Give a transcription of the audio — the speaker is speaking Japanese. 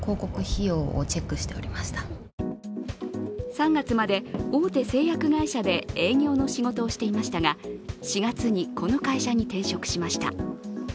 ３月まで大手製薬会社で営業の仕事をしていましたが４月にこの会社に転職しました。